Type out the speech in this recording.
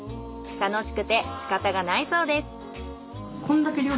楽しくてしかたがないそうです。